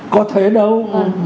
có thế đâu